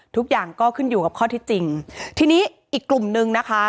ทุกอย่างก็ขึ้นอยู่กับข้อที่จริงทีนี้อีกกลุ่มนึงนะคะ